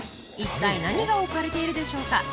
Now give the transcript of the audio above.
一体何が置かれているでしょうか？